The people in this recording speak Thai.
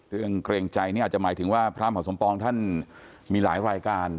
เกรงใจเนี่ยอาจจะหมายถึงว่าพระมหาสมปองท่านมีหลายรายการ